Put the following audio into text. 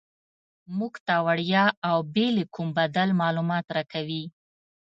موږ ته وړیا او بې له کوم بدل معلومات راکوي.